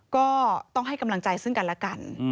ก็ต้องให้กำลังใจซึ่งกันแล้วกัน